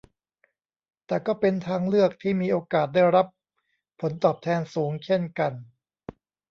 แต่ก็เป็นทางเลือกที่มีโอกาสได้รับผลตอบแทนสูงเช่นกัน